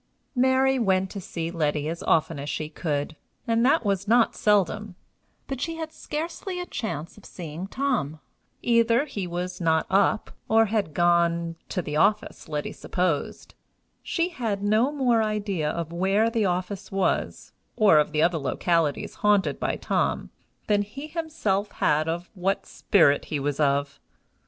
Mary went to see Letty as often as she could, and that was not seldom; but she had scarcely a chance of seeing Tom; either he was not up, or had gone to the office, Letty supposed: she had no more idea of where the office was, or of the other localities haunted by Tom, than he himself had of what spirit he was of.